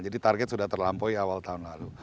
jadi target sudah terlampaui awal tahun lalu